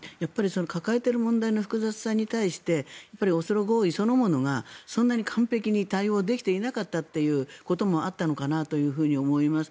抱えている問題の複雑さに対してオスロ合意そのものがそんなに完璧に対応できていなかったのかなというふうに思います。